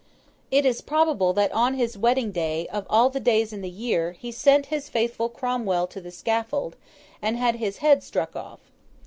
It is probable that on his wedding day, of all days in the year, he sent his faithful Cromwell to the scaffold, and had his head struck off.